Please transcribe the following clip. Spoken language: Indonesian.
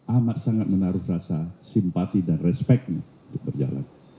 amat sangat menaruh rasa simpati dan respeknya untuk berjalan